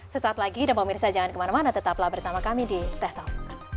sesaat lagi dan pemirsa jangan kemana mana tetaplah bersama kami di teh talk